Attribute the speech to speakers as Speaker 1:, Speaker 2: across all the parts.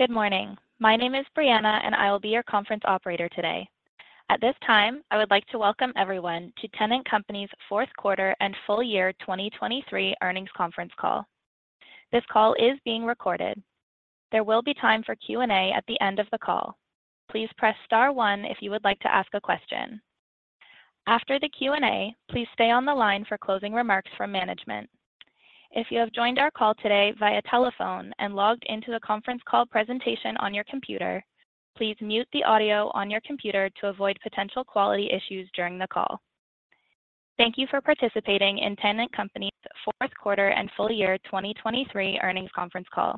Speaker 1: Good morning. My name is Brianna, and I will be your conference operator today. At this time, I would like to welcome everyone to Tennant Company's fourth quarter and full year 2023 earnings conference call. This call is being recorded. There will be time for Q&A at the end of the call. Please press star one if you would like to ask a question. After the Q&A, please stay on the line for closing remarks from management. If you have joined our call today via telephone and logged into the conference call presentation on your computer, please mute the audio on your computer to avoid potential quality issues during the call. Thank you for participating in Tennant Company's fourth quarter and full year 2023 earnings conference call.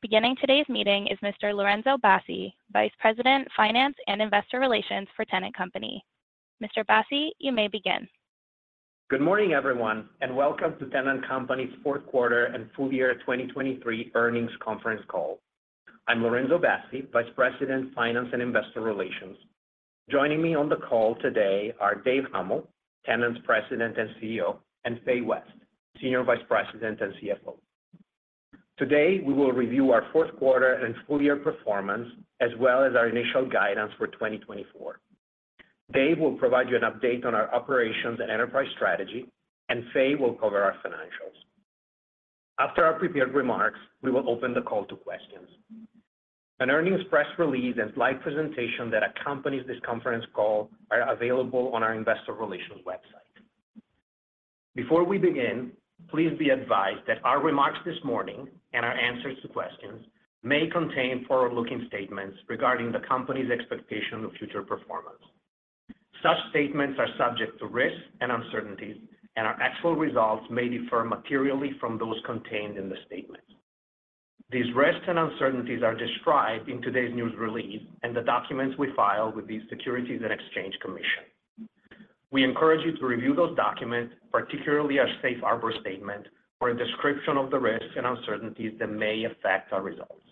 Speaker 1: Beginning today's meeting is Mr. Lorenzo Bassi, Vice President, Finance, and Investor Relations for Tennant Company. Mr. Bassi, you may begin.
Speaker 2: Good morning, everyone, and welcome to Tennant Company's fourth quarter and full year 2023 earnings conference call. I'm Lorenzo Bassi, Vice President, Finance, and Investor Relations. Joining me on the call today are Dave Huml, Tennant's President and CEO, and Fay West, Senior Vice President and CFO. Today, we will review our fourth quarter and full year performance, as well as our initial guidance for 2024. Dave will provide you an update on our operations and enterprise strategy, and Fay will cover our financials. After our prepared remarks, we will open the call to questions. An earnings press release and slide presentation that accompanies this conference call are available on our investor relations website. Before we begin, please be advised that our remarks this morning and our answers to questions may contain forward-looking statements regarding the company's expectation of future performance. Such statements are subject to risks and uncertainties, and our actual results may differ materially from those contained in the statements. These risks and uncertainties are described in today's news release and the documents we filed with the Securities and Exchange Commission. We encourage you to review those documents, particularly our safe harbor statement, for a description of the risks and uncertainties that may affect our results.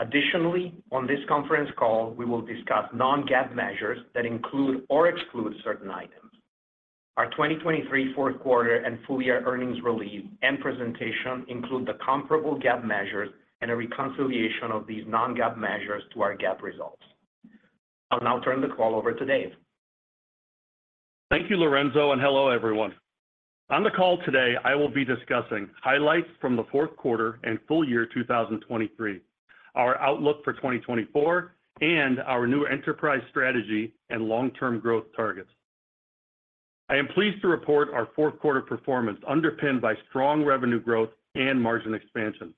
Speaker 2: Additionally, on this conference call, we will discuss non-GAAP measures that include or exclude certain items. Our 2023 fourth quarter and full-year earnings release and presentation include the comparable GAAP measures and a reconciliation of these non-GAAP measures to our GAAP results. I'll now turn the call over to Dave.
Speaker 3: Thank you, Lorenzo, and hello, everyone. On the call today, I will be discussing highlights from the fourth quarter and full year 2023, our outlook for 2024, and our new enterprise strategy and long-term growth targets. I am pleased to report our fourth quarter performance, underpinned by strong revenue growth and margin expansion.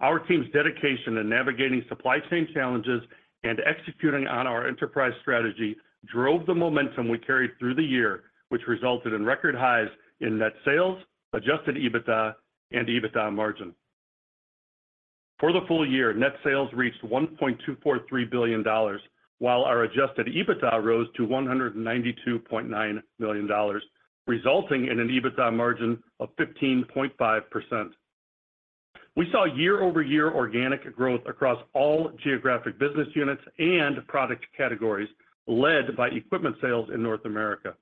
Speaker 3: Our team's dedication in navigating supply chain challenges and executing on our enterprise strategy drove the momentum we carried through the year, which resulted in record highs in net sales, Adjusted EBITDA, and EBITDA margin. For the full year, net sales reached $1.243 billion, while our Adjusted EBITDA rose to $192.9 million, resulting in an EBITDA margin of 15.5%. We saw year-over-year organic growth across all geographic business units and product categories, led by equipment sales in North America.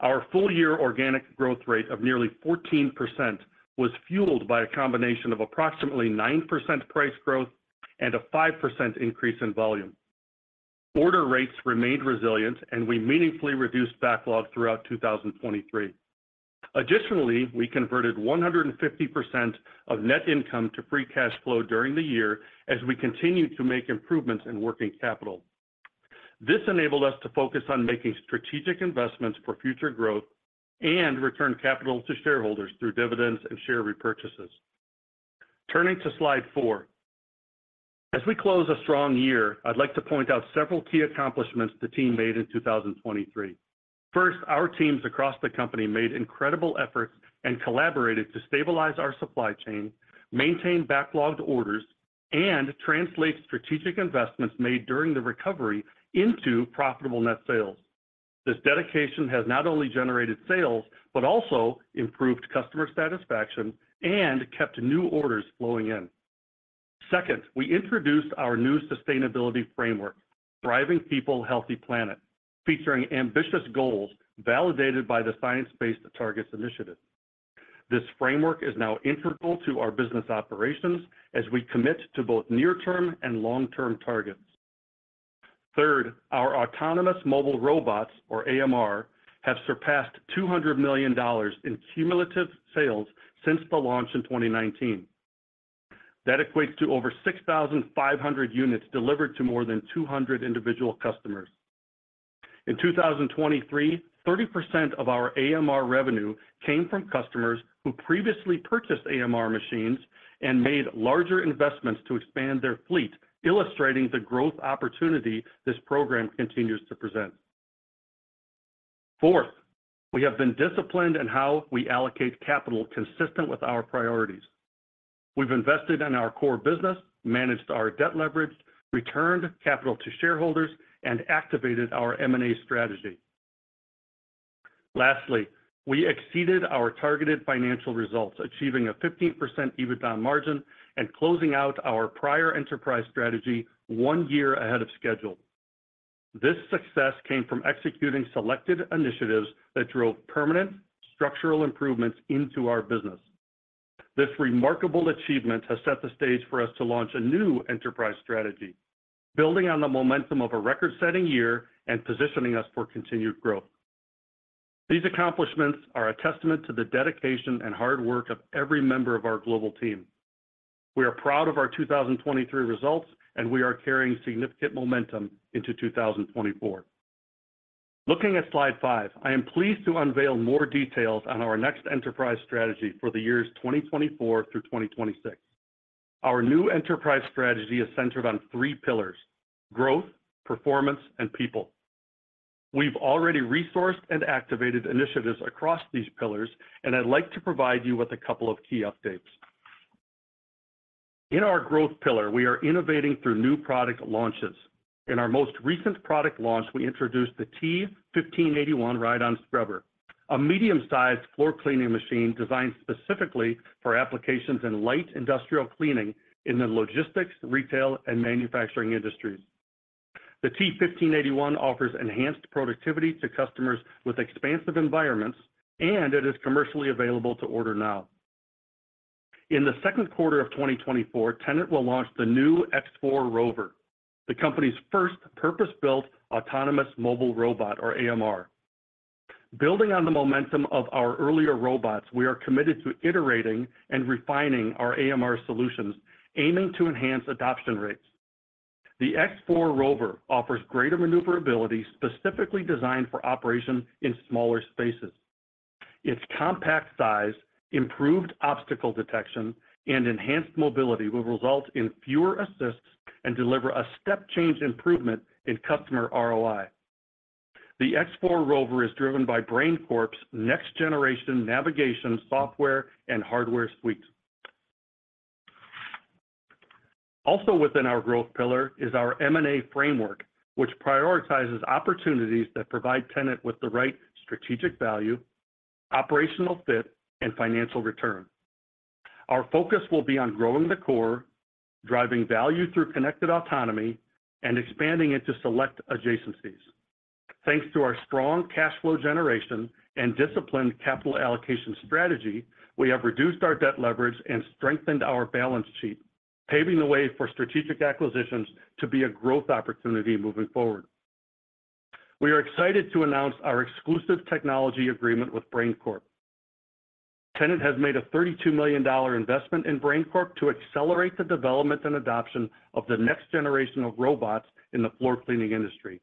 Speaker 3: Our full-year organic growth rate of nearly 14% was fueled by a combination of approximately 9% price growth and a 5% increase in volume. Order rates remained resilient, and we meaningfully reduced backlog throughout 2023. Additionally, we converted 150% of net income to free cash flow during the year as we continued to make improvements in working capital. This enabled us to focus on making strategic investments for future growth and return capital to shareholders through dividends and share repurchases. Turning to slide 4. As we close a strong year, I'd like to point out several key accomplishments the team made in 2023. First, our teams across the company made incredible efforts and collaborated to stabilize our supply chain, maintain backlogged orders, and translate strategic investments made during the recovery into profitable net sales. This dedication has not only generated sales, but also improved customer satisfaction and kept new orders flowing in. Second, we introduced our new sustainability framework, Thriving People. Healthy Planet., featuring ambitious goals validated by the Science-Based Targets Initiative. This framework is now integral to our business operations as we commit to both near-term and long-term targets. Third, our autonomous mobile robots, or AMR, have surpassed $200 million in cumulative sales since the launch in 2019. That equates to over 6,500 units delivered to more than 200 individual customers. In 2023, 30% of our AMR revenue came from customers who previously purchased AMR machines and made larger investments to expand their fleet, illustrating the growth opportunity this program continues to present. Fourth, we have been disciplined in how we allocate capital consistent with our priorities. We've invested in our core business, managed our debt leverage, returned capital to shareholders, and activated our M&A strategy. Lastly, we exceeded our targeted financial results, achieving a 15% EBITDA margin and closing out our prior enterprise strategy one year ahead of schedule. This success came from executing selected initiatives that drove permanent structural improvements into our business. This remarkable achievement has set the stage for us to launch a new enterprise strategy, building on the momentum of a record-setting year and positioning us for continued growth. These accomplishments are a testament to the dedication and hard work of every member of our global team. We are proud of our 2023 results, and we are carrying significant momentum into 2024. Looking at slide 5, I am pleased to unveil more details on our next enterprise strategy for the years 2024 through 2026. Our new enterprise strategy is centered on three pillars: growth, performance, and people. We've already resourced and activated initiatives across these pillars, and I'd like to provide you with a couple of key updates. In our growth pillar, we are innovating through new product launches. In our most recent product launch, we introduced the T1581 ride-on scrubber, a medium-sized floor cleaning machine designed specifically for applications in light industrial cleaning in the logistics, retail, and manufacturing industries. The T1581 offers enhanced productivity to customers with expansive environments, and it is commercially available to order now. In the second quarter of 2024, Tennant will launch the new X4 ROVR, the company's first purpose-built autonomous mobile robot or AMR. Building on the momentum of our earlier robots, we are committed to iterating and refining our AMR solutions, aiming to enhance adoption rates. The X4 ROVR offers greater maneuverability, specifically designed for operation in smaller spaces. Its compact size, improved obstacle detection, and enhanced mobility will result in fewer assists and deliver a step-change improvement in customer ROI. The X4 ROVR is driven by Brain Corp's next-generation navigation, software, and hardware suite. Also within our growth pillar is our M&A framework, which prioritizes opportunities that provide Tennant with the right strategic value, operational fit, and financial return. Our focus will be on growing the core, driving value through connected autonomy, and expanding into select adjacencies. Thanks to our strong cash flow generation and disciplined capital allocation strategy, we have reduced our debt leverage and strengthened our balance sheet, paving the way for strategic acquisitions to be a growth opportunity moving forward. We are excited to announce our exclusive technology agreement with Brain Corp. Tennant has made a $32 million investment in Brain Corp to accelerate the development and adoption of the next generation of robots in the floor cleaning industry.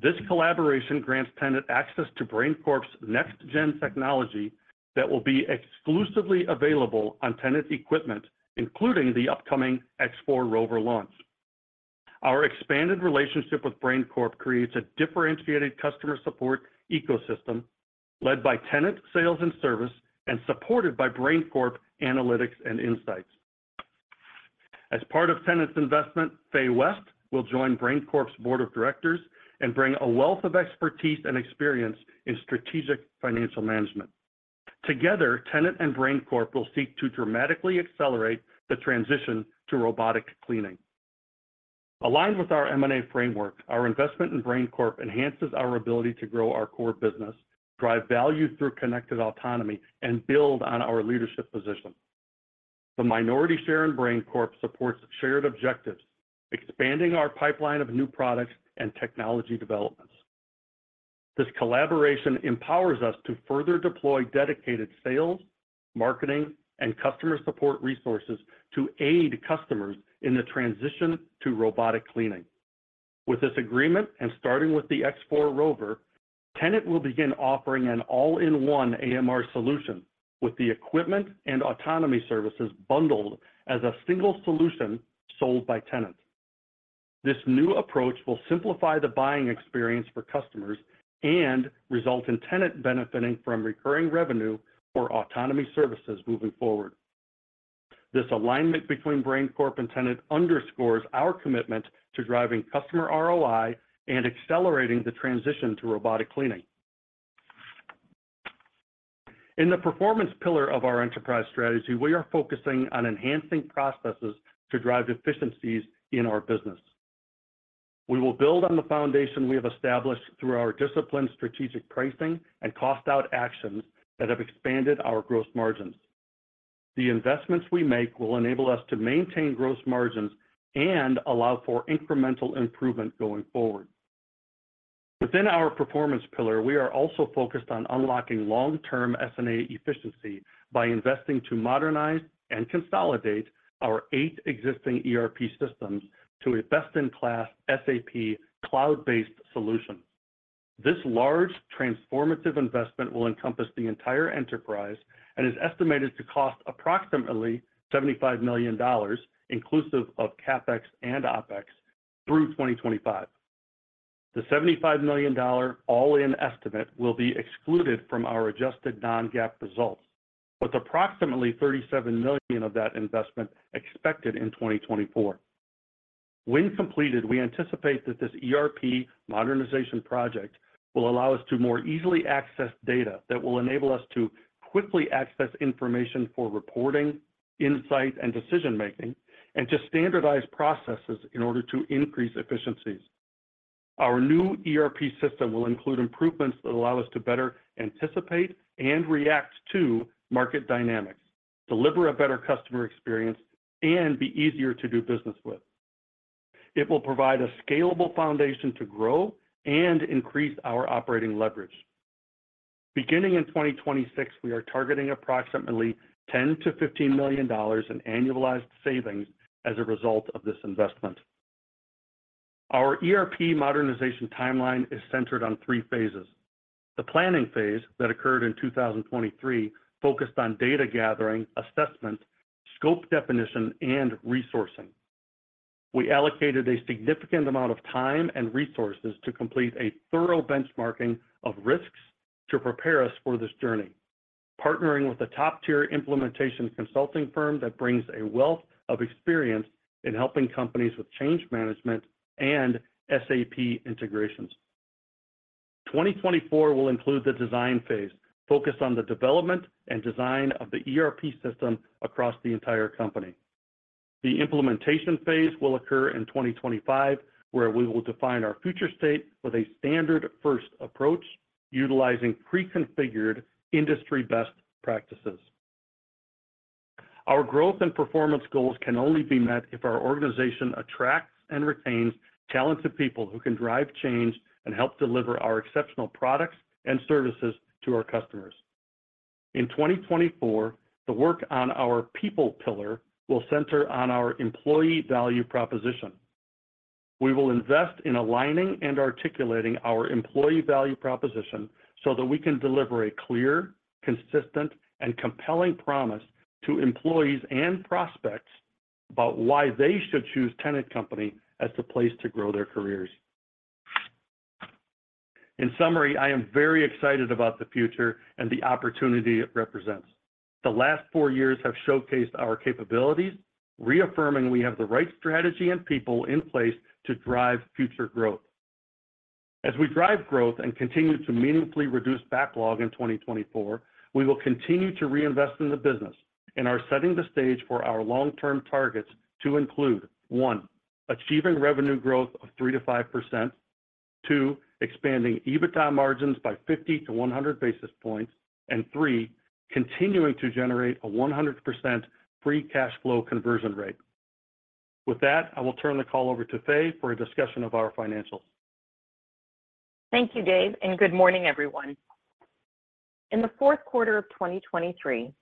Speaker 3: This collaboration grants Tennant access to Brain Corp's next-gen technology that will be exclusively available on Tennant's equipment, including the upcoming X4 ROVR launch. Our expanded relationship with Brain Corp creates a differentiated customer support ecosystem led by Tennant sales and service and supported by Brain Corp analytics and insights. As part of Tennant's investment, Fay West will join Brain Corp's board of directors and bring a wealth of expertise and experience in strategic financial management. Together, Tennant and Brain Corp will seek to dramatically accelerate the transition to robotic cleaning. Aligned with our M&A framework, our investment in Brain Corp enhances our ability to grow our core business, drive value through connected autonomy, and build on our leadership position. The minority share in Brain Corp supports shared objectives, expanding our pipeline of new products and technology developments. This collaboration empowers us to further deploy dedicated sales, marketing, and customer support resources to aid customers in the transition to robotic cleaning. With this agreement, and starting with the X4 ROVR, Tennant will begin offering an all-in-one AMR solution, with the equipment and autonomy services bundled as a single solution sold by Tennant. This new approach will simplify the buying experience for customers and result in Tennant benefiting from recurring revenue for autonomy services moving forward. This alignment between Brain Corp and Tennant underscores our commitment to driving customer ROI and accelerating the transition to robotic cleaning. In the performance pillar of our enterprise strategy, we are focusing on enhancing processes to drive efficiencies in our business. We will build on the foundation we have established through our disciplined strategic pricing and cost out actions that have expanded our gross margins. The investments we make will enable us to maintain gross margins and allow for incremental improvement going forward. Within our performance pillar, we are also focused on unlocking long-term S&A efficiency by investing to modernize and consolidate our eight existing ERP systems to a best-in-class SAP cloud-based solution. This large transformative investment will encompass the entire enterprise and is estimated to cost approximately $75 million, inclusive of CapEx and OpEx, through 2025. The $75 million all-in estimate will be excluded from our adjusted non-GAAP results, with approximately $37 million of that investment expected in 2024. When completed, we anticipate that this ERP modernization project will allow us to more easily access data that will enable us to quickly access information for reporting, insight, and decision-making, and to standardize processes in order to increase efficiencies. Our new ERP system will include improvements that allow us to better anticipate and react to market dynamics, deliver a better customer experience, and be easier to do business with. It will provide a scalable foundation to grow and increase our operating leverage. Beginning in 2026, we are targeting approximately $10 million-$15 million in annualized savings as a result of this investment. Our ERP modernization timeline is centered on three phases. The planning phase, that occurred in 2023, focused on data gathering, assessment, scope definition, and resourcing. We allocated a significant amount of time and resources to complete a thorough benchmarking of risks to prepare us for this journey, partnering with a top-tier implementation consulting firm that brings a wealth of experience in helping companies with change management and SAP integrations. 2024 will include the design phase, focused on the development and design of the ERP system across the entire company. The implementation phase will occur in 2025, where we will define our future state with a standard-first approach, utilizing pre-configured industry best practices. Our growth and performance goals can only be met if our organization attracts and retains talented people who can drive change and help deliver our exceptional products and services to our customers. In 2024, the work on our people pillar will center on our employee value proposition. We will invest in aligning and articulating our employee value proposition so that we can deliver a clear, consistent, and compelling promise to employees and prospects about why they should choose Tennant Company as the place to grow their careers. In summary, I am very excited about the future and the opportunity it represents. The last four years have showcased our capabilities, reaffirming we have the right strategy and people in place to drive future growth. As we drive growth and continue to meaningfully reduce backlog in 2024, we will continue to reinvest in the business and are setting the stage for our long-term targets to include: one, achieving revenue growth of 3%-5%, two, expanding EBITDA margins by 50-100 basis points, and three, continuing to generate a 100% free cash flow conversion rate. With that, I will turn the call over to Fay for a discussion of our financials.
Speaker 4: Thank you, Dave, and good morning, everyone. In the fourth quarter of 2023,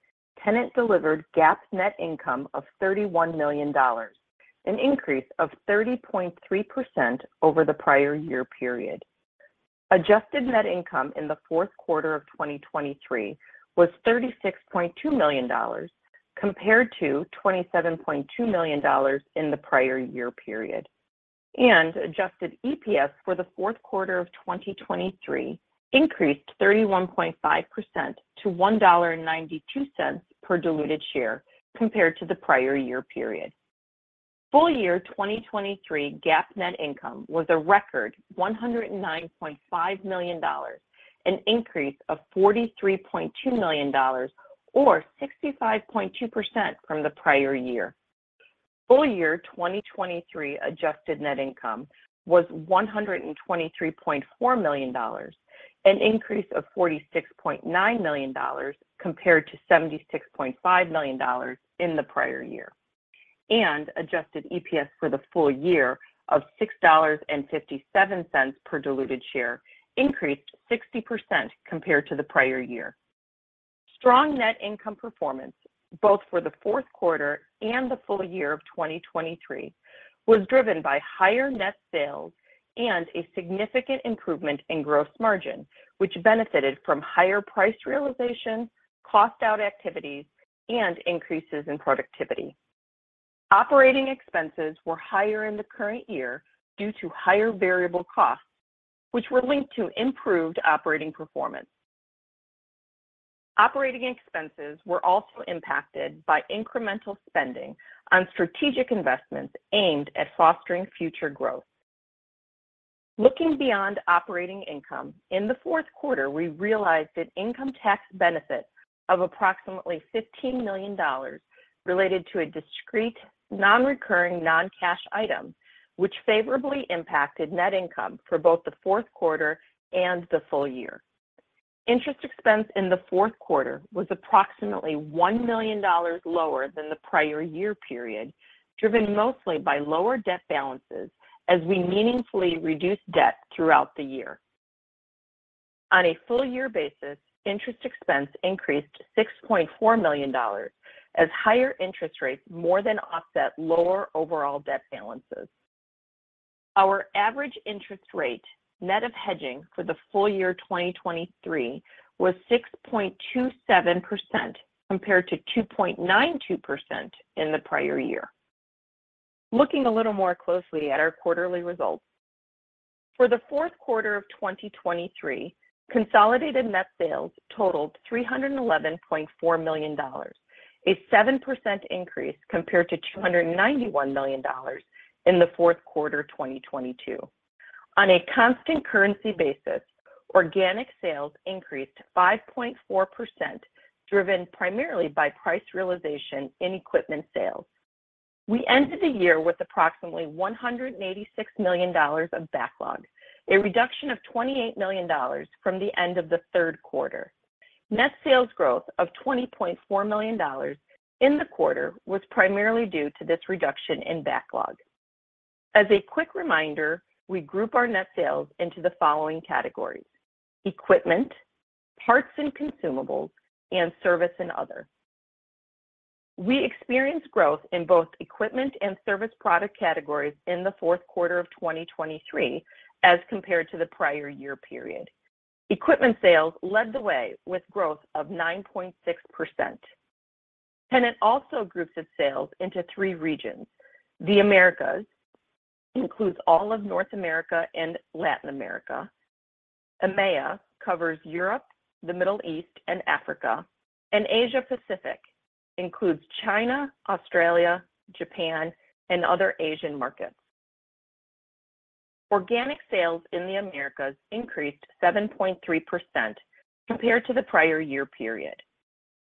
Speaker 4: Tennant delivered GAAP net income of $31 million, an increase of 30.3% over the prior year period. Adjusted net income in the fourth quarter of 2023 was $36.2 million, compared to $27.2 million in the prior year period. And adjusted EPS for the fourth quarter of 2023 increased 31.5% to $1.92 per diluted share compared to the prior year period. Full year 2023 GAAP net income was a record $109.5 million, an increase of $43.2 million or 65.2% from the prior year. Full year 2023 adjusted net income was $123.4 million, an increase of $46.9 million, compared to $76.5 million in the prior year. Adjusted EPS for the full year of 2023 of $6.57 per diluted share increased 60% compared to the prior year. Strong net income performance, both for the fourth quarter and the full year of 2023, was driven by higher net sales and a significant improvement in gross margin, which benefited from higher price realization, cost out activities, and increases in productivity. Operating expenses were higher in the current year due to higher variable costs, which were linked to improved operating performance. Operating expenses were also impacted by incremental spending on strategic investments aimed at fostering future growth. Looking beyond operating income, in the fourth quarter, we realized an income tax benefit of approximately $15 million related to a discrete, non-recurring, non-cash item, which favorably impacted net income for both the fourth quarter and the full year. Interest expense in the fourth quarter was approximately $1 million lower than the prior year period, driven mostly by lower debt balances as we meaningfully reduced debt throughout the year. On a full year basis, interest expense increased $6.4 million, as higher interest rates more than offset lower overall debt balances. Our average interest rate, net of hedging, for the full year 2023 was 6.27%, compared to 2.92% in the prior year. Looking a little more closely at our quarterly results. For the fourth quarter of 2023, consolidated net sales totaled $311.4 million, a 7% increase compared to $291 million in the fourth quarter 2022. On a constant currency basis, organic sales increased 5.4%, driven primarily by price realization in equipment sales. We ended the year with approximately $186 million of backlog, a reduction of $28 million from the end of the third quarter. Net sales growth of $20.4 million in the quarter was primarily due to this reduction in backlog. As a quick reminder, we group our net sales into the following categories: equipment, parts and consumables, and service and other. We experienced growth in both equipment and service product categories in the fourth quarter of 2023, as compared to the prior year period. Equipment sales led the way with growth of 9.6%. Tennant also groups its sales into three regions. The Americas includes all of North America and Latin America. EMEA covers Europe, the Middle East, and Africa. Asia Pacific includes China, Australia, Japan, and other Asian markets. Organic sales in the Americas increased 7.3% compared to the prior year period.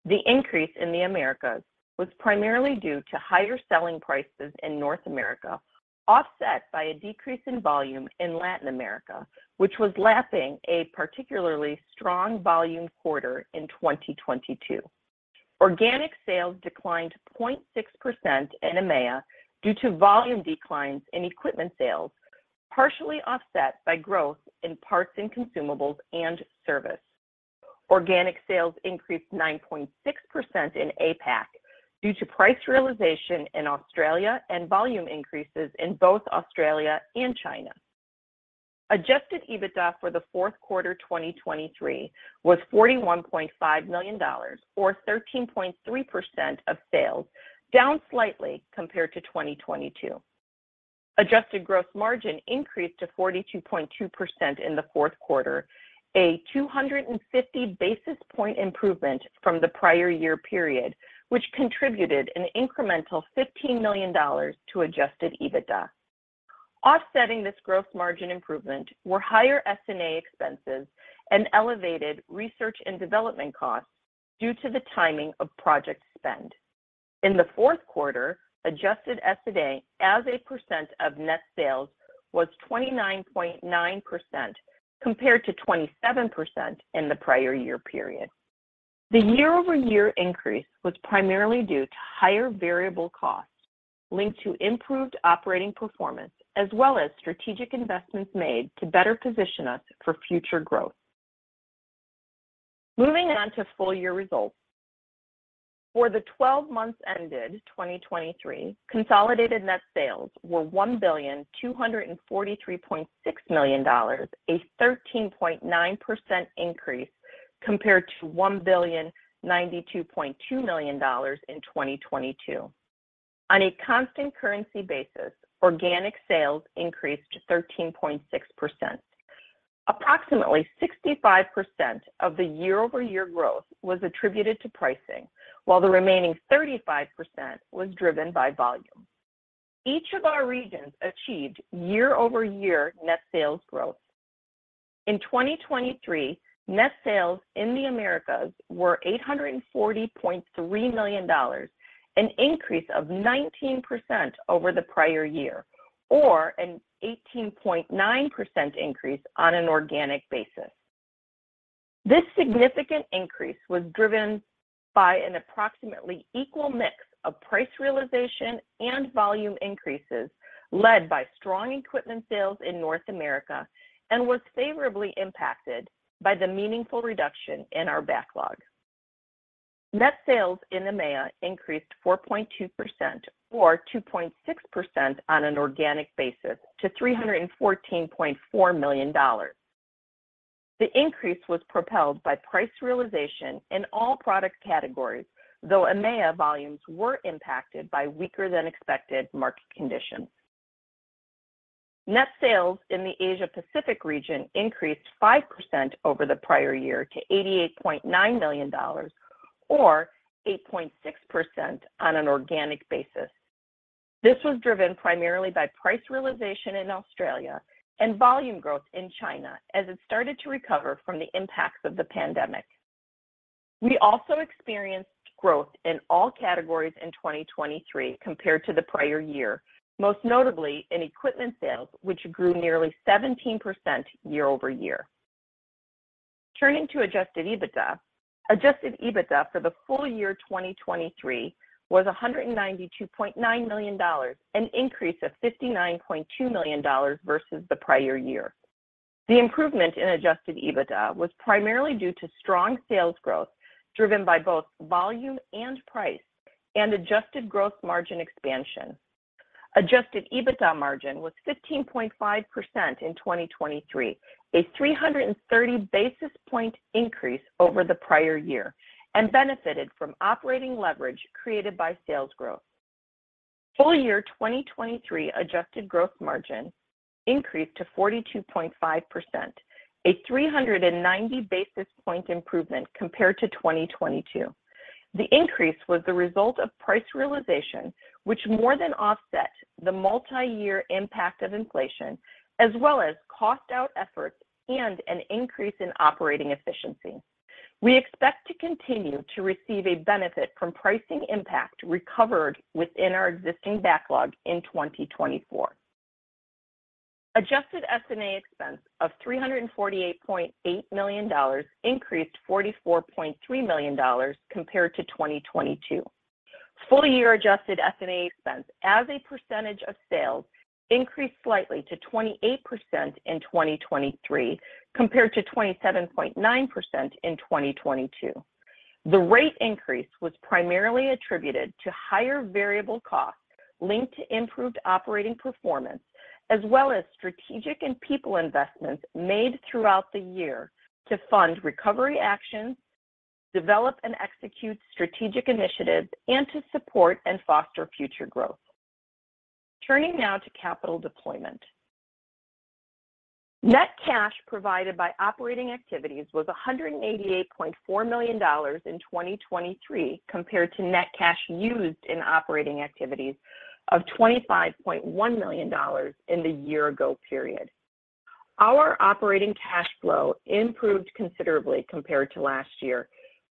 Speaker 4: The increase in the Americas was primarily due to higher selling prices in North America, offset by a decrease in volume in Latin America, which was lapping a particularly strong volume quarter in 2022. Organic sales declined 0.6% in EMEA due to volume declines in equipment sales, partially offset by growth in parts and consumables and service. Organic sales increased 9.6% in APAC due to price realization in Australia and volume increases in both Australia and China. Adjusted EBITDA for the fourth quarter 2023 was $41.5 million or 13.3% of sales, down slightly compared to 2022. Adjusted gross margin increased to 42.2% in the fourth quarter, a 250 basis point improvement from the prior year period, which contributed an incremental $15 million to adjusted EBITDA. Offsetting this gross margin improvement were higher S&A expenses and elevated research and development costs due to the timing of project spend. In the fourth quarter, adjusted S&A, as a percent of net sales, was 29.9%, compared to 27% in the prior year period. The year-over-year increase was primarily due to higher variable costs linked to improved operating performance, as well as strategic investments made to better position us for future growth. Moving on to full year results. For the 12 months ended 2023, consolidated net sales were $1,243.6 million, a 13.9% increase compared to $1,092.2 million in 2022. On a constant currency basis, organic sales increased to 13.6%. Approximately 65% of the year-over-year growth was attributed to pricing, while the remaining 35% was driven by volume. Each of our regions achieved year-over-year net sales growth. In 2023, net sales in the Americas were $840.3 million, an increase of 19% over the prior year, or an 18.9% increase on an organic basis. This significant increase was driven by an approximately equal mix of price realization and volume increases led by strong equipment sales in North America, and was favorably impacted by the meaningful reduction in our backlog. Net sales in EMEA increased 4.2% or 2.6% on an organic basis to $314.4 million. The increase was propelled by price realization in all product categories, though EMEA volumes were impacted by weaker than expected market conditions. Net sales in the Asia Pacific region increased 5% over the prior year to $88.9 million or 8.6% on an organic basis. This was driven primarily by price realization in Australia and volume growth in China as it started to recover from the impacts of the pandemic. We also experienced growth in all categories in 2023 compared to the prior year, most notably in equipment sales, which grew nearly 17% year-over-year. Turning to Adjusted EBITDA, Adjusted EBITDA for the full year 2023 was $192.9 million, an increase of $59.2 million versus the prior year. The improvement in Adjusted EBITDA was primarily due to strong sales growth, driven by both volume and price, and adjusted gross margin expansion. Adjusted EBITDA margin was 15.5% in 2023, a 330 basis point increase over the prior year, and benefited from operating leverage created by sales growth. Full year 2023 adjusted gross margin increased to 42.5%, a 390 basis point improvement compared to 2022. The increase was the result of price realization, which more than offset the multi-year impact of inflation, as well as cost out efforts and an increase in operating efficiency.... We expect to continue to receive a benefit from pricing impact recovered within our existing backlog in 2024. Adjusted S&A expense of $348.8 million increased $44.3 million compared to 2022. Full year adjusted S&A expense as a percentage of sales increased slightly to 28% in 2023, compared to 27.9% in 2022. The rate increase was primarily attributed to higher variable costs linked to improved operating performance, as well as strategic and people investments made throughout the year to fund recovery actions, develop and execute strategic initiatives, and to support and foster future growth. Turning now to capital deployment. Net cash provided by operating activities was $188.4 million in 2023, compared to net cash used in operating activities of $25.1 million in the year ago period. Our operating cash flow improved considerably compared to last year,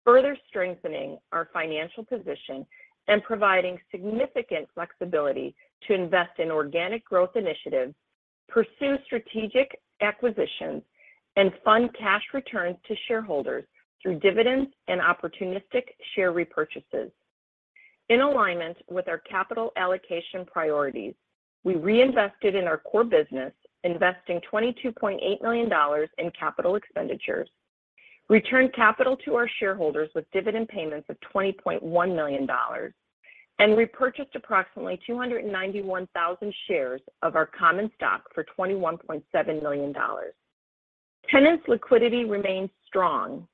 Speaker 4: further strengthening our financial position and providing significant flexibility to invest in organic growth initiatives, pursue strategic acquisitions, and fund cash returns to shareholders through dividends and opportunistic share repurchases. In alignment with our capital allocation priorities, we reinvested in our core business, investing $22.8 million in capital expenditures, returned capital to our shareholders with dividend payments of $20.1 million, and repurchased approximately 291,000 shares of our common stock for $21.7 million. Tennant's liquidity remains strong,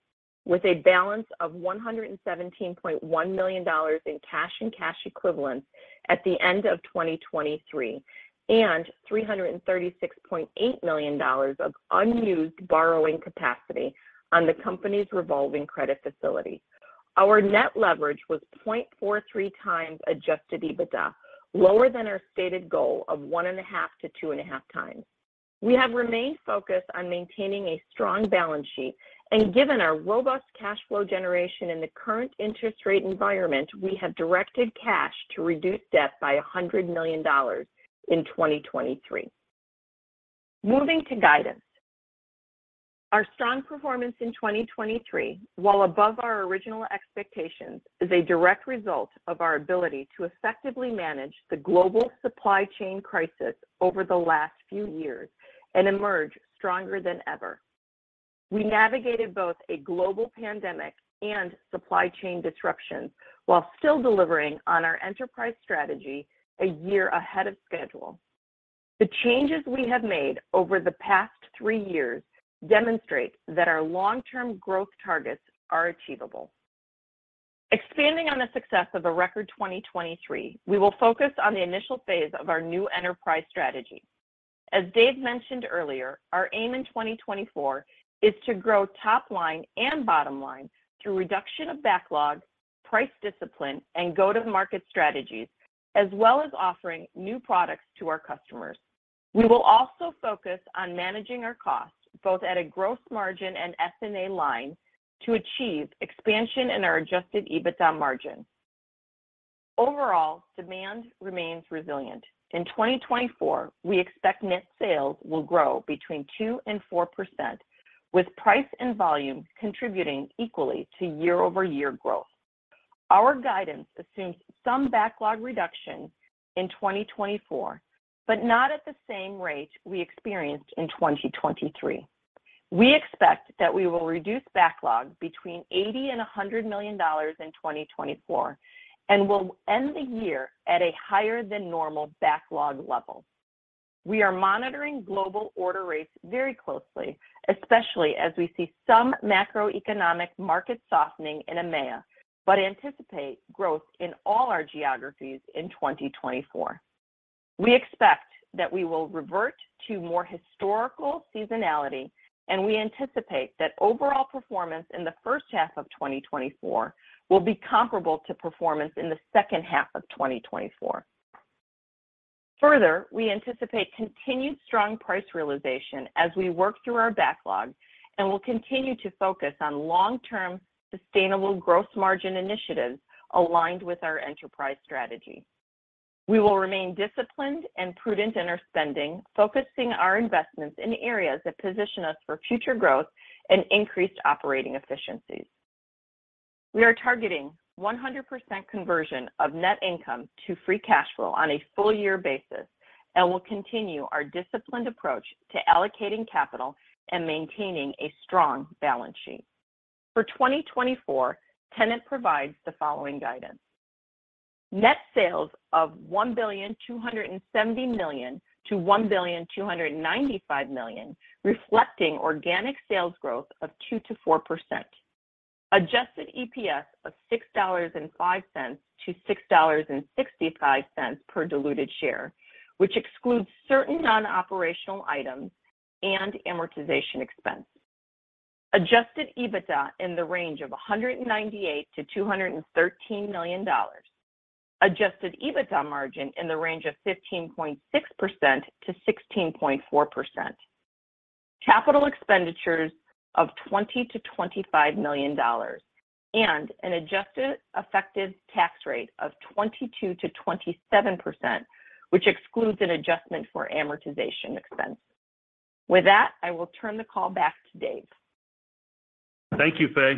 Speaker 4: with a balance of $117.1 million in cash and cash equivalents at the end of 2023, and $336.8 million of unused borrowing capacity on the company's revolving credit facility. Our net leverage was 0.43 times adjusted EBITDA, lower than our stated goal of 1.5-2.5 times. We have remained focused on maintaining a strong balance sheet, and given our robust cash flow generation in the current interest rate environment, we have directed cash to reduce debt by $100 million in 2023. Moving to guidance. Our strong performance in 2023, while above our original expectations, is a direct result of our ability to effectively manage the global supply chain crisis over the last few years and emerge stronger than ever. We navigated both a global pandemic and supply chain disruptions while still delivering on our enterprise strategy a year ahead of schedule. The changes we have made over the past three years demonstrate that our long-term growth targets are achievable. Expanding on the success of a record 2023, we will focus on the initial phase of our new enterprise strategy. As Dave mentioned earlier, our aim in 2024 is to grow top line and bottom line through reduction of backlog, price discipline, and go-to-market strategies, as well as offering new products to our customers. We will also focus on managing our costs, both at a gross margin and S&A line, to achieve expansion in our adjusted EBITDA margin. Overall, demand remains resilient. In 2024, we expect net sales will grow between 2% and 4%, with price and volume contributing equally to year-over-year growth. Our guidance assumes some backlog reduction in 2024, but not at the same rate we experienced in 2023. We expect that we will reduce backlog between $80 million and $100 million in 2024, and will end the year at a higher than normal backlog level. We are monitoring global order rates very closely, especially as we see some macroeconomic market softening in EMEA, but anticipate growth in all our geographies in 2024. We expect that we will revert to more historical seasonality, and we anticipate that overall performance in the first half of 2024 will be comparable to performance in the second half of 2024. Further, we anticipate continued strong price realization as we work through our backlog and will continue to focus on long-term, sustainable gross margin initiatives aligned with our enterprise strategy. We will remain disciplined and prudent in our spending, focusing our investments in areas that position us for future growth and increased operating efficiencies. We are targeting 100% conversion of net income to free cash flow on a full year basis and will continue our disciplined approach to allocating capital and maintaining a strong balance sheet. For 2024, Tennant provides the following guidance: Net sales of $1.27 billion-$1.295 billion, reflecting organic sales growth of 2%-4%. Adjusted EPS of $6.05-$6.65 per diluted share, which excludes certain non-operational items and amortization expense. Adjusted EBITDA in the range of $198 million-$213 million.... Adjusted EBITDA margin in the range of 15.6%-16.4%. Capital expenditures of $20-$25 million, and an adjusted effective tax rate of 22%-27%, which excludes an adjustment for amortization expense. With that, I will turn the call back to Dave.
Speaker 3: Thank you, Fay.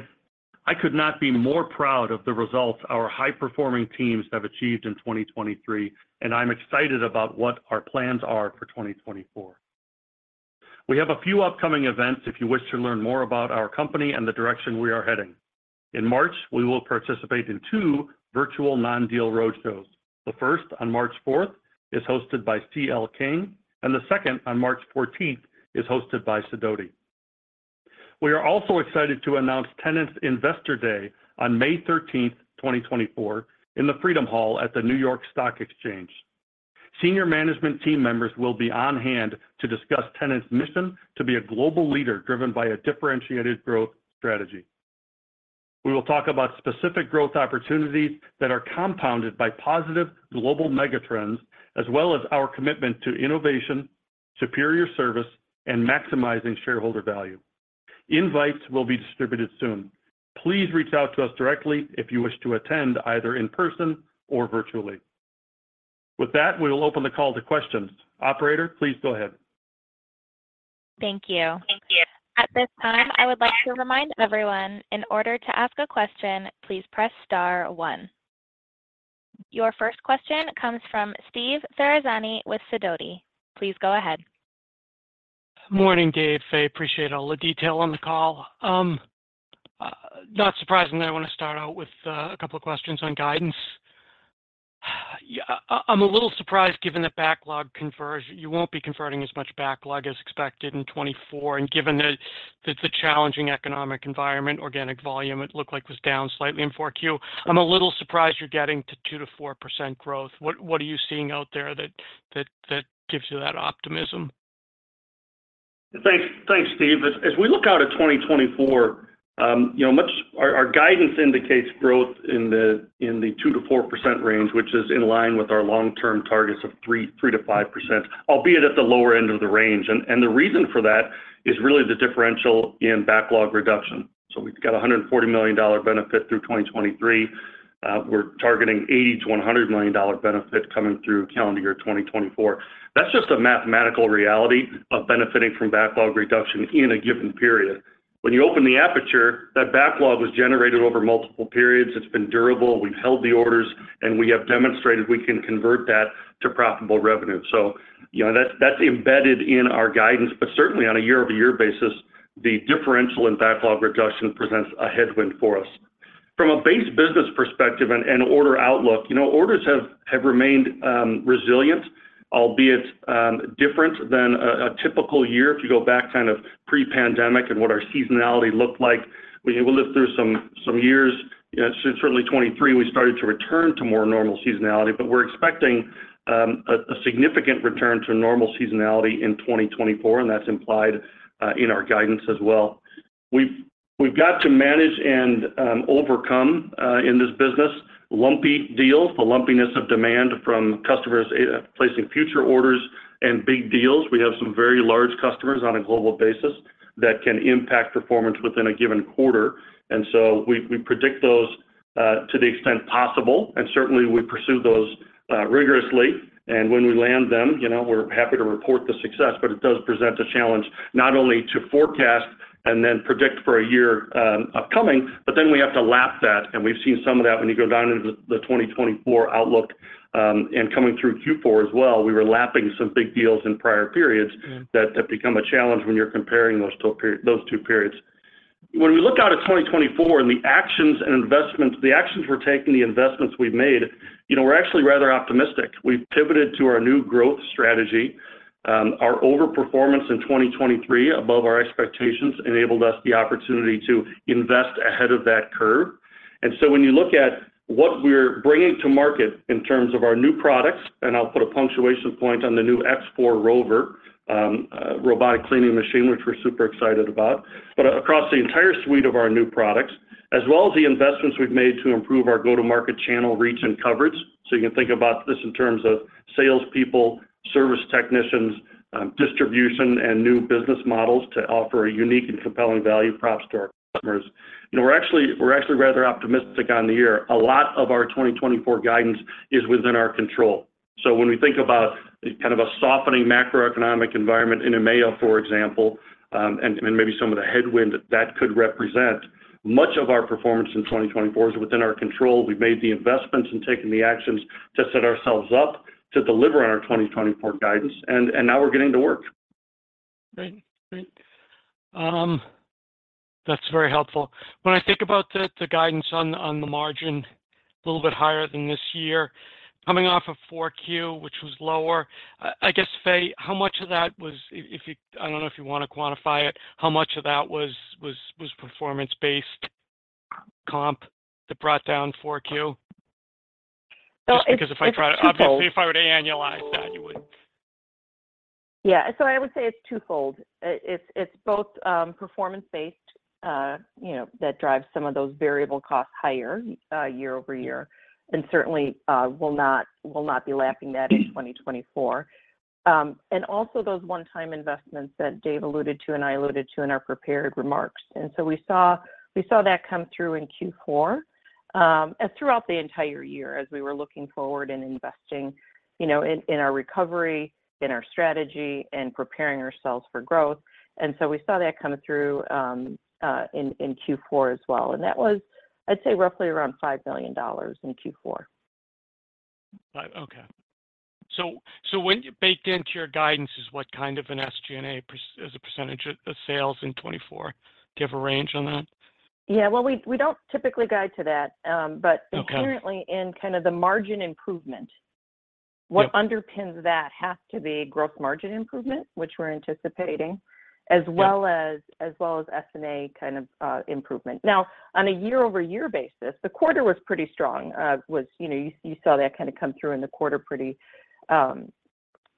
Speaker 3: I could not be more proud of the results our high-performing teams have achieved in 2023, and I'm excited about what our plans are for 2024. We have a few upcoming events if you wish to learn more about our company and the direction we are heading. In March, we will participate in two virtual non-deal roadshows. The first, on March 4th, is hosted by CL King, and the second, on March 14th, is hosted by Sidoti. We are also excited to announce Tennant's Investor Day on May 13th, 2024, in the Freedom Hall at the New York Stock Exchange. Senior management team members will be on hand to discuss Tennant's mission to be a global leader driven by a differentiated growth strategy. We will talk about specific growth opportunities that are compounded by positive global megatrends, as well as our commitment to innovation, superior service, and maximizing shareholder value. Invites will be distributed soon. Please reach out to us directly if you wish to attend, either in person or virtually. With that, we will open the call to questions. Operator, please go ahead.
Speaker 1: Thank you. Thank you. At this time, I would like to remind everyone, in order to ask a question, please press star one. Your first question comes from Steve Ferazani with Sidoti. Please go ahead.
Speaker 5: Morning, Dave, Fay. Appreciate all the detail on the call. Not surprisingly, I want to start out with a couple of questions on guidance. Yeah, I'm a little surprised, given the backlog conversion... You won't be converting as much backlog as expected in 2024, and given the, the, the challenging economic environment, organic volume, it looked like was down slightly in Q4. I'm a little surprised you're getting to 2%-4% growth. What, what are you seeing out there that, that, that gives you that optimism?
Speaker 3: Thanks. Thanks, Steve. As we look out at 2024, you know, our guidance indicates growth in the 2%-4% range, which is in line with our long-term targets of 3%-5%, albeit at the lower end of the range. And the reason for that is really the differential in backlog reduction. So we've got a $140 million benefit through 2023. We're targeting $80-$100 million benefit coming through calendar year 2024. That's just a mathematical reality of benefiting from backlog reduction in a given period. When you open the aperture, that backlog was generated over multiple periods. It's been durable, we've held the orders, and we have demonstrated we can convert that to profitable revenue. So you know, that's embedded in our guidance, but certainly on a year-over-year basis, the differential in backlog reduction presents a headwind for us. From a base business perspective and order outlook, you know, orders have remained resilient, albeit different than a typical year. If you go back kind of pre-pandemic and what our seasonality looked like, we lived through some years. Certainly 2023, we started to return to more normal seasonality, but we're expecting a significant return to normal seasonality in 2024, and that's implied in our guidance as well. We've got to manage and overcome in this business lumpy deals, the lumpiness of demand from customers placing future orders and big deals. We have some very large customers on a global basis that can impact performance within a given quarter, and so we predict those to the extent possible, and certainly we pursue those rigorously. And when we land them, you know, we're happy to report the success, but it does present a challenge, not only to forecast and then predict for a year upcoming, but then we have to lap that, and we've seen some of that when you go down into the 2024 outlook and coming through Q4 as well. We were lapping some big deals in prior periods-
Speaker 5: Mm-hmm.
Speaker 3: -that have become a challenge when you're comparing those two period, those two periods. When we look out at 2024 and the actions and investments, the actions we're taking, the investments we've made, you know, we're actually rather optimistic. We've pivoted to our new growth strategy. Our overperformance in 2023 above our expectations enabled us the opportunity to invest ahead of that curve. And so when you look at what we're bringing to market in terms of our new products, and I'll put a punctuation point on the new X4 ROVR, robotic cleaning machine, which we're super excited about, but across the entire suite of our new products, as well as the investments we've made to improve our go-to-market channel reach and coverage. So you can think about this in terms of salespeople, service technicians, distribution, and new business models to offer a unique and compelling value props to our customers. You know, we're actually, we're actually rather optimistic on the year. A lot of our 2024 guidance is within our control. So when we think about kind of a softening macroeconomic environment in EMEA, for example, and, and maybe some of the headwind that could represent, much of our performance in 2024 is within our control. We've made the investments and taken the actions to set ourselves up to deliver on our 2024 guidance, and, and now we're getting to work.
Speaker 5: Great. Great. That's very helpful. When I think about the guidance on the margin, a little bit higher than this year, coming off of Q4, which was lower, I guess, Fay, how much of that was - if you... I don't know if you want to quantify it, how much of that was performance-based comp that brought down Q4?
Speaker 4: So it-
Speaker 5: Just because if I try to-
Speaker 4: It's too old.
Speaker 5: Obviously, if I were to annualize that....
Speaker 4: Yeah, so I would say it's twofold. It's both performance-based, you know, that drives some of those variable costs higher year-over-year, and certainly will not be lapping that in 2024. And also those one-time investments that Dave alluded to and I alluded to in our prepared remarks. So we saw that come through in Q4 and throughout the entire year as we were looking forward and investing, you know, in our recovery, in our strategy, and preparing ourselves for growth. So we saw that coming through in Q4 as well, and that was, I'd say, roughly around $5 million in Q4.
Speaker 5: Five. Okay. So when you baked into your guidance, what kind of an SG&A as a percentage of sales in 2024? Do you have a range on that?
Speaker 4: Yeah, well, we don't typically guide to that, but-
Speaker 5: Okay...
Speaker 4: inherently in kind of the margin improvement-
Speaker 5: Yeah...
Speaker 4: what underpins that has to be gross margin improvement, which we're anticipating, as well as-
Speaker 5: Yeah...
Speaker 4: as well as S&A kind of improvement. Now, on a year-over-year basis, the quarter was pretty strong. You know, you saw that kinda come through in the quarter pretty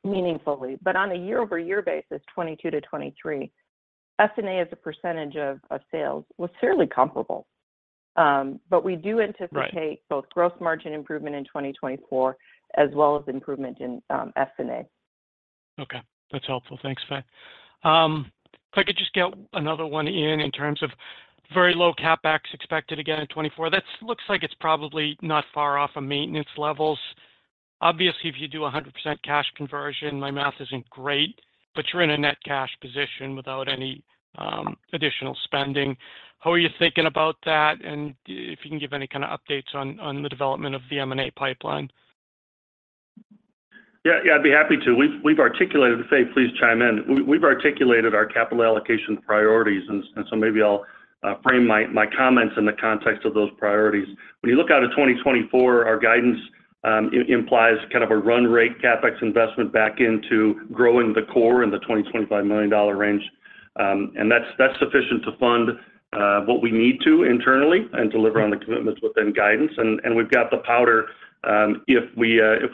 Speaker 4: meaningfully. But on a year-over-year basis, 2022 to 2023, S&A as a percentage of sales was fairly comparable. But we do anticipate-
Speaker 5: Right...
Speaker 4: both Gross margin improvement in 2024, as well as improvement in S&A.
Speaker 5: Okay. That's helpful. Thanks, Fay. If I could just get another one in, in terms of very low CapEx expected again in 2024. That looks like it's probably not far off from maintenance levels. Obviously, if you do 100% cash conversion, my math isn't great, but you're in a net cash position without any additional spending. How are you thinking about that? And if you can give any kind of updates on the development of the M&A pipeline?
Speaker 3: Yeah, yeah, I'd be happy to. We've articulated... Fay, please chime in. We've articulated our capital allocation priorities, and so maybe I'll frame my comments in the context of those priorities. When you look out at 2024, our guidance implies kind of a run rate CapEx investment back into growing the core in the $20-$25 million range. And that's sufficient to fund what we need to internally and deliver on the commitments within guidance. And we've got the powder, if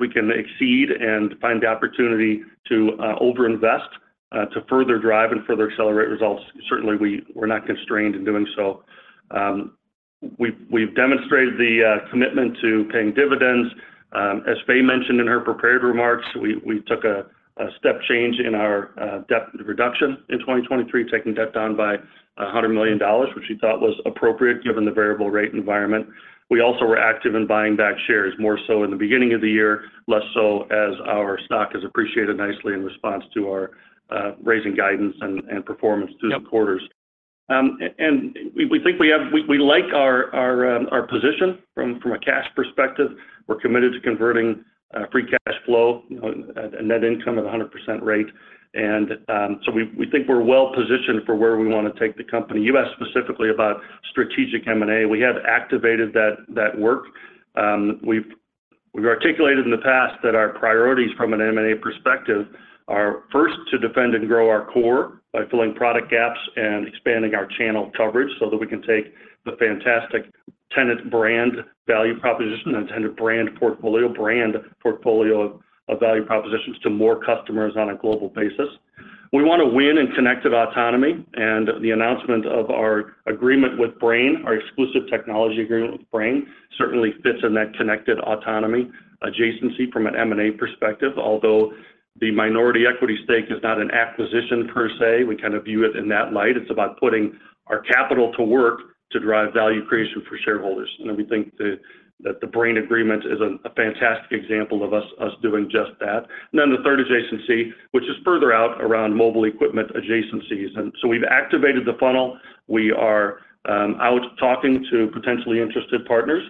Speaker 3: we can exceed and find the opportunity to overinvest to further drive and further accelerate results. Certainly, we're not constrained in doing so. We've demonstrated the commitment to paying dividends. As Fay mentioned in her prepared remarks, we took a step change in our debt reduction in 2023, taking debt down by $100 million, which we thought was appropriate, given the variable rate environment. We also were active in buying back shares, more so in the beginning of the year, less so as our stock has appreciated nicely in response to our raising guidance and performance-
Speaker 5: Yep...
Speaker 3: through the quarters. And we think we have. We like our position from a cash perspective. We're committed to converting free cash flow, you know, and net income at a 100% rate. And so we think we're well positioned for where we wanna take the company. You asked specifically about strategic M&A. We have activated that work. We've articulated in the past that our priorities from an M&A perspective are, first, to defend and grow our core by filling product gaps and expanding our channel coverage so that we can take the fantastic Tennant brand value proposition and Tennant brand portfolio of value propositions to more customers on a global basis. We wanna win in connected autonomy, and the announcement of our agreement with Brain, our exclusive technology agreement with Brain, certainly fits in that connected autonomy adjacency from an M&A perspective. Although the minority equity stake is not an acquisition per se, we kind of view it in that light. It's about putting our capital to work to drive value creation for shareholders, and we think that the Brain agreement is a fantastic example of us doing just that. And then the third adjacency, which is further out around mobile equipment adjacencies. And so we've activated the funnel. We are out talking to potentially interested partners,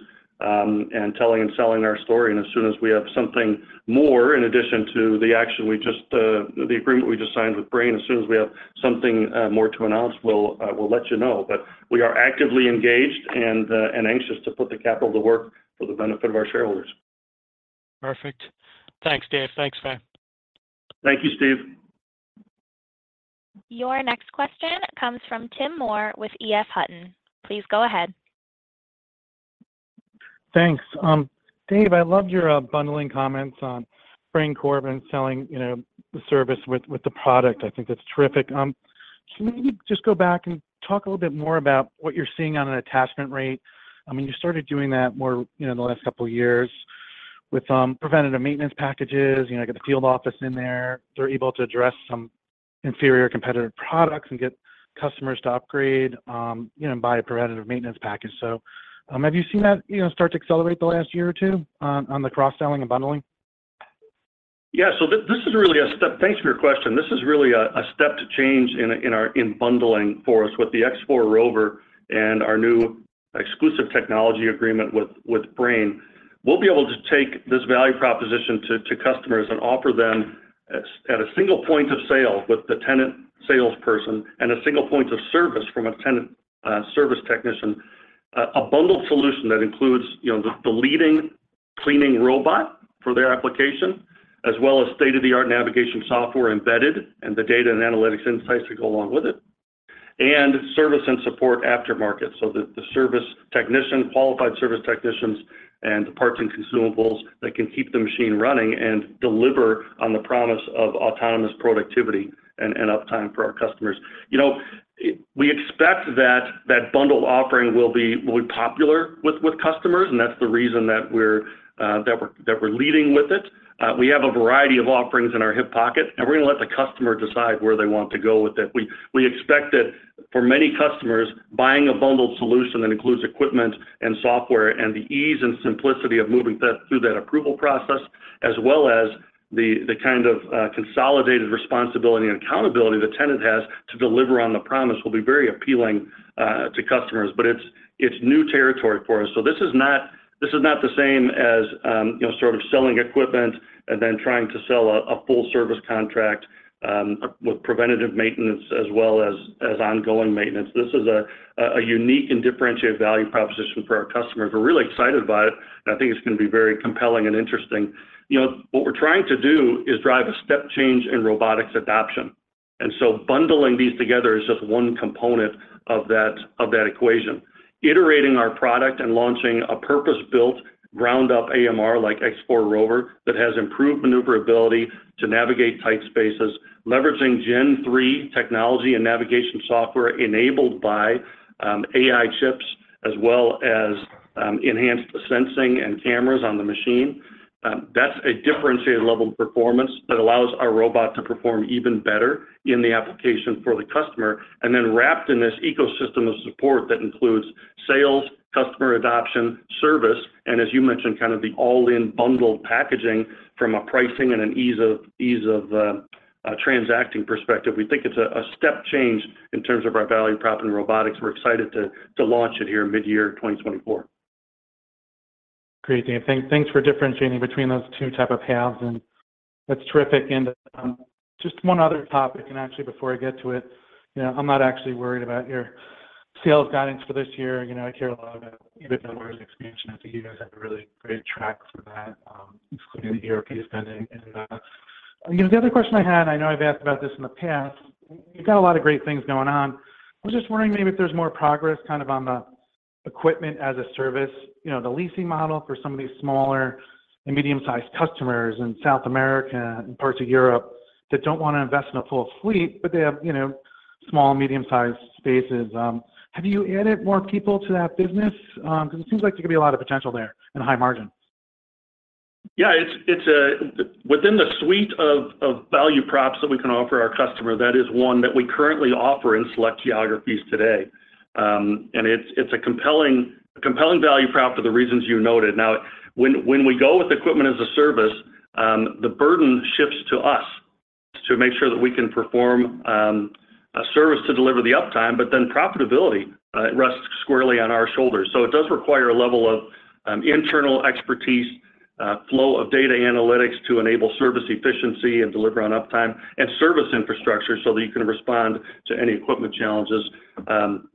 Speaker 3: and telling and selling our story. And as soon as we have something more, in addition to the agreement we just signed with Brain, as soon as we have something more to announce, we'll let you know. But we are actively engaged and anxious to put the capital to work for the benefit of our shareholders.
Speaker 5: Perfect. Thanks, Dave. Thanks, Fay.
Speaker 3: Thank you, Steve.
Speaker 1: Your next question comes from Tim Moore with EF Hutton. Please go ahead.
Speaker 6: Thanks. Dave, I loved your bundling comments on Brain Corp and selling, you know, the service with the product. I think that's terrific. So maybe just go back and talk a little bit more about what you're seeing on an attachment rate. I mean, you started doing that more, you know, in the last couple of years with preventative maintenance packages. You know, get the field office in there. They're able to address some inferior competitive products and get customers to upgrade, you know, and buy a preventative maintenance package. So, have you seen that, you know, start to accelerate the last year or two on the cross-selling and bundling?
Speaker 3: Yeah, so this is really a step. Thanks for your question. This is really a step to change in our bundling for us. With the X4 ROVR and our new exclusive technology agreement with Brain, we'll be able to take this value proposition to customers and offer them at a single point of sale with the Tennant salesperson and a single point of service from a Tennant service technician, a bundled solution that includes, you know, the leading cleaning robot for their application, as well as state-of-the-art navigation software embedded and the data and analytics insights to go along with it and service and support aftermarket, so the service technician, qualified service technicians, and parts and consumables that can keep the machine running and deliver on the promise of autonomous productivity and uptime for our customers. You know, we expect that that bundled offering will be, will be popular with, with customers, and that's the reason that we're, that we're, that we're leading with it. We have a variety of offerings in our hip pocket, and we're gonna let the customer decide where they want to go with it. We, we expect that for many customers, buying a bundled solution that includes equipment and software, and the ease and simplicity of moving that through that approval process, as well as the, the kind of, consolidated responsibility and accountability that Tennant has to deliver on the promise, will be very appealing, to customers. But it's, it's new territory for us. So this is not, this is not the same as, you know, sort of selling equipment and then trying to sell a full-service contract with preventative maintenance as well as ongoing maintenance. This is a unique and differentiated value proposition for our customers. We're really excited about it, and I think it's gonna be very compelling and interesting. You know, what we're trying to do is drive a step change in robotics adoption, and so bundling these together is just one component of that equation. Iterating our product and launching a purpose-built, ground-up AMR, like X4 ROVR, that has improved maneuverability to navigate tight spaces, leveraging Gen 3 technology and navigation software enabled by AI chips, as well as enhanced sensing and cameras on the machine, that's a differentiated level of performance that allows our robot to perform even better in the application for the customer, and then wrapped in this ecosystem of support that includes sales, customer adoption, service, and as you mentioned, kind of the all-in bundled packaging from a pricing and an ease of transacting perspective. We think it's a step change in terms of our value prop in robotics. We're excited to launch it here in midyear 2024.
Speaker 6: Great, Dave. Thanks for differentiating between those two types of paths, and that's terrific. Just one other topic, and actually before I get to it, you know, I'm not actually worried about your sales guidance for this year. You know, I care a lot about EBITDA expansion. I think you guys have a really great track for that, including the ERP spending. You know, the other question I had, I know I've asked about this in the past, you've got a lot of great things going on. I was just wondering maybe if there's more progress kind of on the equipment as a service, you know, the leasing model for some of these smaller and medium-sized customers in South America and parts of Europe that don't wanna invest in a full fleet, but they have, you know, small, medium-sized spaces. Have you added more people to that business? Because it seems like there could be a lot of potential there and high margin.
Speaker 3: Yeah, it's within the suite of value props that we can offer our customer. That is one that we currently offer in select geographies today. And it's a compelling value prop for the reasons you noted. Now, when we go with equipment as a service, the burden shifts to us to make sure that we can perform a service to deliver the uptime, but then profitability rests squarely on our shoulders. So it does require a level of internal expertise, flow of data analytics to enable service efficiency and deliver on uptime, and service infrastructure so that you can respond to any equipment challenges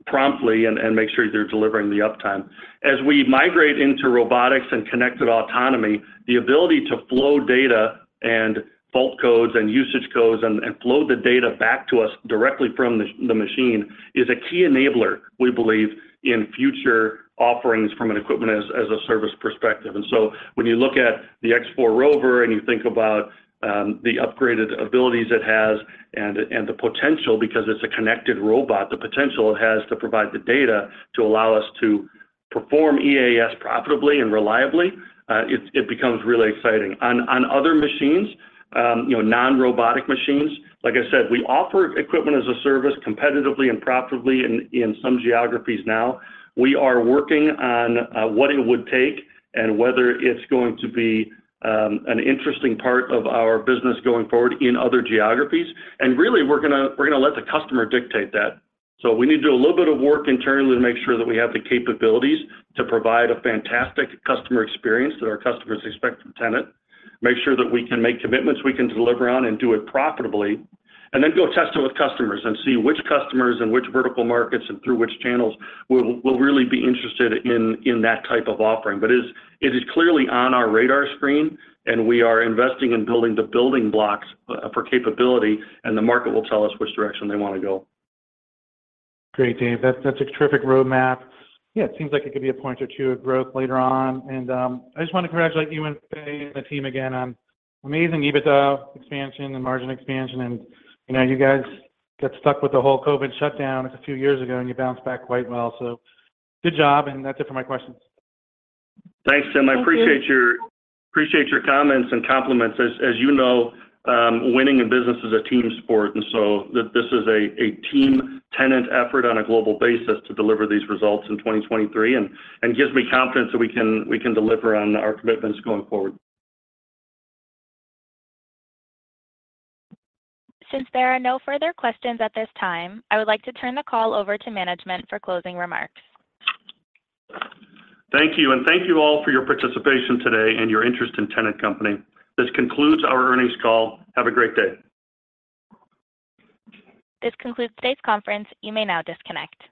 Speaker 3: promptly and make sure you're delivering the uptime. As we migrate into robotics and connected autonomy, the ability to flow data and fault codes and usage codes, and flow the data back to us directly from the machine, is a key enabler, we believe, in future offerings from an equipment as a service perspective. And so when you look at the X4 ROVR, and you think about the upgraded abilities it has and the potential, because it's a connected robot, the potential it has to provide the data to allow us to perform EAS profitably and reliably, it becomes really exciting. On other machines, you know, non-robotic machines, like I said, we offer equipment as a service competitively and profitably in some geographies now. We are working on what it would take and whether it's going to be an interesting part of our business going forward in other geographies. And really, we're gonna let the customer dictate that. So we need to do a little bit of work internally to make sure that we have the capabilities to provide a fantastic customer experience that our customers expect from Tennant, make sure that we can make commitments we can deliver on and do it profitably, and then go test it with customers and see which customers and which vertical markets and through which channels will really be interested in that type of offering. But it's clearly on our radar screen, and we are investing in building the building blocks for capability, and the market will tell us which direction they wanna go.
Speaker 6: Great, Dave. That's, that's a terrific roadmap. Yeah, it seems like it could be a point or two of growth later on. And, I just wanna congratulate you and the team again on amazing EBITDA expansion and margin expansion. And, you know, you guys got stuck with the whole COVID shutdown just a few years ago, and you bounced back quite well. So good job, and that's it for my questions.
Speaker 3: Thanks, Tim.
Speaker 4: Thank you.
Speaker 3: I appreciate your comments and compliments. As you know, winning in business is a team sport, and so this is a team Tennant effort on a global basis to deliver these results in 2023, and gives me confidence that we can deliver on our commitments going forward.
Speaker 1: Since there are no further questions at this time, I would like to turn the call over to management for closing remarks.
Speaker 3: Thank you, and thank you all for your participation today and your interest in Tennant Company. This concludes our earnings call. Have a great day.
Speaker 1: This concludes today's conference. You may now disconnect.